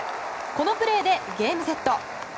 このプレーでゲームセット。